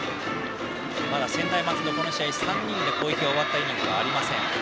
まだ専大松戸、この試合３人で攻撃が終わったイニングはありません。